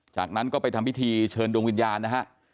จากนั้นก็ไปทำพิธีเชิญดวงวิญญาณนะฮะ